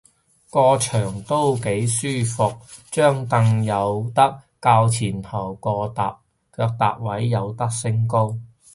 個場都幾舒服，張櫈有得較前後，腳踏位有得升高